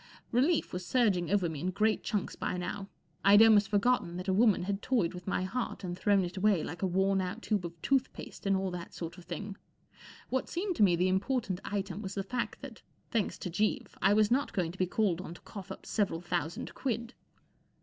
Relief was surging over me in great chunks by now. I'd almost forgotten that a woman had toyed with my heart and thrown it away like a worn out tube of tooth paste and all that sort of thing. What seemed to me the important item was the fact that, thanks to Jeeves, I was not going to be called on to cough up several thousand quid.